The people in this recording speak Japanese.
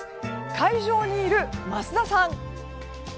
会場にいる、桝田さん！